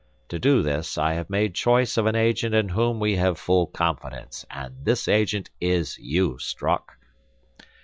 To do this, I have made choice of an agent in whom we have full confidence; and this agent is you, Strock."